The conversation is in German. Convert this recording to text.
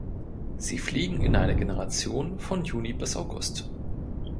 Sie fliegen in einer Generation von Juni bis August.